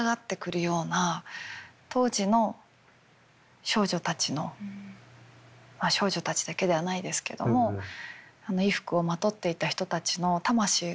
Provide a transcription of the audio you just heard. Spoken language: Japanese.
当時の少女たちのまあ少女たちだけではないですけどもあの衣服をまとっていた人たちの魂がそこに封じ込められているような。